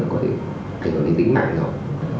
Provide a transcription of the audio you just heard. có thể hành động đến tính mạng rồi